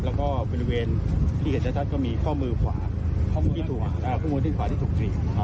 แล้วก็กระเทศก็มีข้ามือขวาที่ถูกตริก